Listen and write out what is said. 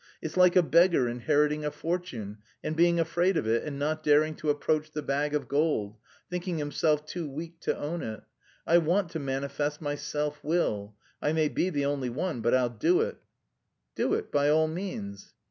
It's like a beggar inheriting a fortune and being afraid of it and not daring to approach the bag of gold, thinking himself too weak to own it. I want to manifest my self will. I may be the only one, but I'll do it." "Do it by all means."